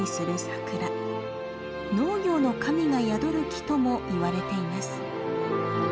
農業の神が宿る木ともいわれています。